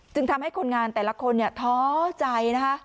ทำให้คนงานแต่ละคนท้อใจนะคะ